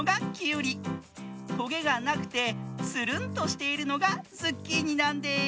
トゲがなくてつるんとしているのがズッキーニなんです。